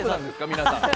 皆さん。